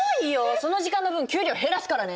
その時間の分給料減らすからね。